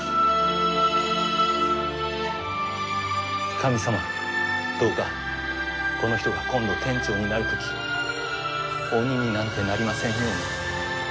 神様どうかこの人が今度店長になるとき鬼になんてなりませんように。